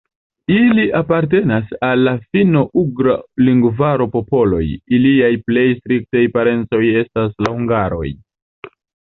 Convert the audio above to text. Ili apartenas al la finno-ugra lingvaro popoloj, iliaj plej striktaj parencoj estas la hungaroj.